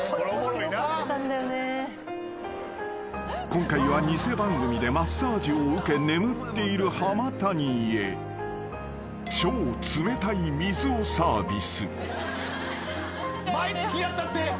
［今回は偽番組でマッサージを受け眠っている浜谷へ超冷たい水をサービス］